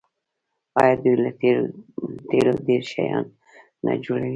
آیا دوی له تیلو ډیر شیان نه جوړوي؟